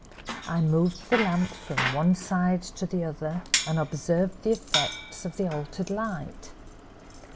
I moved the lamp from one side to the other and observed the effects of the altered light.